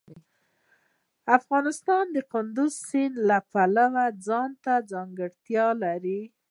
افغانستان د کندز سیند له پلوه ځانته ځانګړتیا لري.